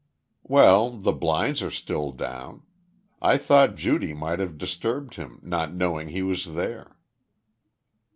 "Well, the blinds are still down. I thought Judy might have disturbed him, not knowing he was here."